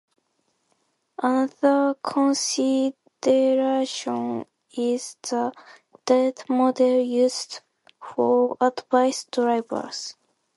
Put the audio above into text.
Another consideration is the data model used for device drivers.